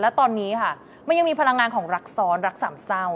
และตอนนี้ค่ะมันยังมีพลังงานของรักซ้อนรักสามเศร้า